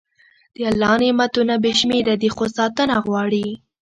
د الله نعمتونه بې شمېره دي، خو ساتنه غواړي.